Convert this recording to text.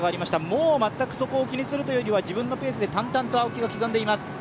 もう全くそこを気にするというよりは自分のペースで淡々と青木が刻んでいます。